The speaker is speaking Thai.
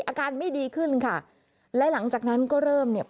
อาการไม่ดีขึ้นค่ะและหลังจากนั้นก็เริ่มเนี่ย